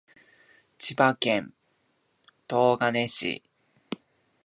千葉県東金市